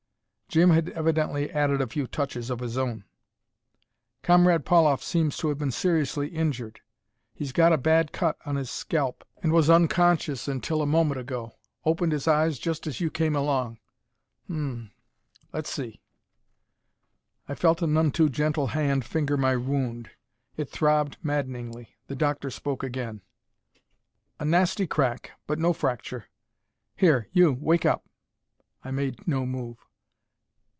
Jim had evidently added a few touches of his own. "Comrade Pauloff seems to have been seriously injured. He's got a bad cut on his scalp, and was unconscious till a moment ago. Opened his eyes just as you came along." "Hm. Let's see." I felt a none too gentle hand finger my wound. It throbbed maddeningly. The doctor spoke again. "A nasty crack, but no fracture. Here, you wake up." I made no move.